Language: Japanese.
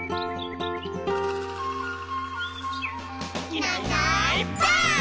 「いないいないばあっ！」